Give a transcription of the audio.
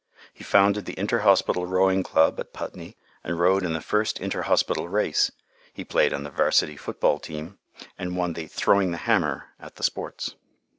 He founded the inter hospital rowing club at Putney and rowed in the first inter hospital race; he played on the Varsity football team, and won the "throwing the hammer" at the sports.